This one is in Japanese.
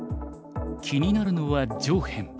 気になるのは上辺。